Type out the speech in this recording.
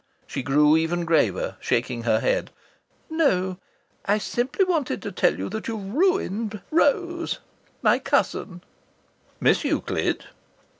She grew even graver, shaking her head. "No! I simply wanted to tell you that you've ruined Rose my cousin." "Miss Euclid?